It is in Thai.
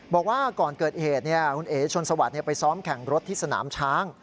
บอกว่าก่อนเกิดเหตุคุณเอ๋ชนสวัสดิ์ไปซ้อมแข่งรถที่สนามช้าง